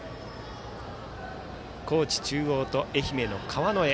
高知中央と愛媛の川之江。